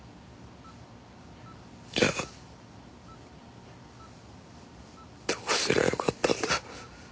じゃあどうすりゃよかったんだ。